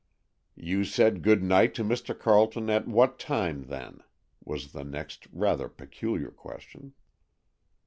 "You said good night to Mr. Carleton at what time, then?" was the next rather peculiar question.